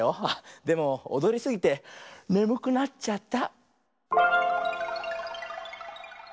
でもおどりすぎてねむくなっちゃった。